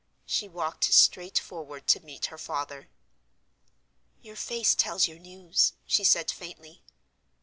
She walked straight forward to meet her father. "Your face tells your news," she said faintly. "Mr.